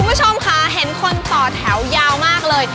คุณผู้ชมค่ะเห็นคนต่อแถวยาวมากเลย